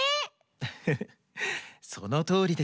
フフフそのとおりです。